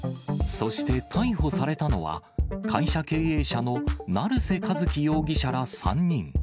そして逮捕されたのは、会社経営者の成瀬数紀容疑者ら３人。